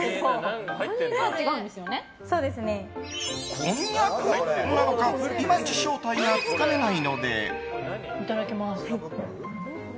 こんにゃくなのかいまいち正体がつかめないので。